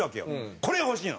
これが欲しいの。